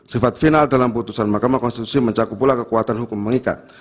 sifat final dalam putusan mahkamah konstitusi mencakup pula kekuatan hukum mengikat